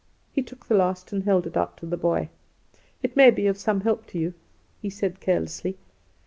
He took the last and held it out to the boy. "It may be of some help to you," he said, carelessly.